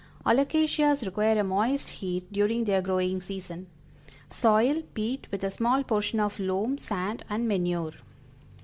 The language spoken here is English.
Alocasias require a moist heat during their growing season. Soil, peat, with a small portion of loam, sand and manure.